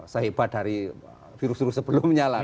sehebat dari virus virus sebelumnya lah